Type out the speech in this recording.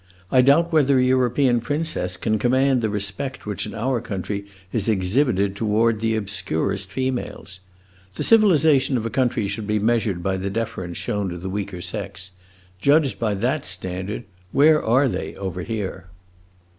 I doubt whether a European princess can command the respect which in our country is exhibited toward the obscurest females. The civilization of a country should be measured by the deference shown to the weaker sex. Judged by that standard, where are they, over here?"